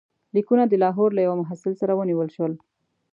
لیکونه د لاهور له یوه محصل سره ونیول شول.